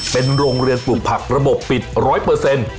เป็นโรงเรือนปลูกผักระบบปิดร้อยเปอร์เซ็นต์